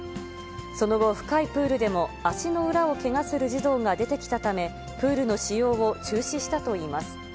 その後、深いプールでも足の裏をけがする児童が出てきたため、プールの使用を中止したといいます。